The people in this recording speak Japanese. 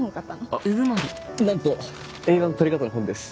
あっなんと映画の撮り方の本です。